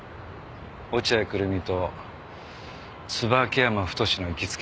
落合久瑠実と椿山太の行きつけの店。